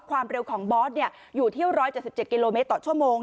ความเร็วของบอสอยู่ที่๑๗๗กิโลเมตรต่อชั่วโมง